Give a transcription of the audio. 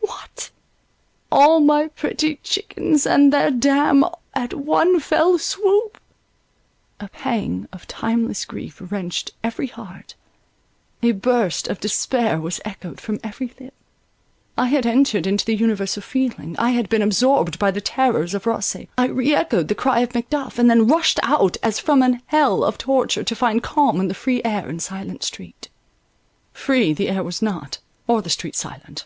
What! all my pretty chickens, and their dam, At one fell swoop! A pang of tameless grief wrenched every heart, a burst of despair was echoed from every lip.—I had entered into the universal feeling—I had been absorbed by the terrors of Rosse—I re echoed the cry of Macduff, and then rushed out as from an hell of torture, to find calm in the free air and silent street. Free the air was not, or the street silent.